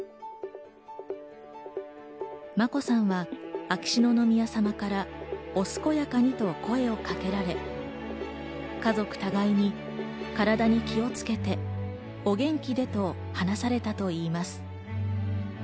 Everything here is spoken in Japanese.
眞子さんは秋篠宮さまから「お健やかに」と声をかけられ、家族互いに体に気をつけてお元気でと話されたといいます。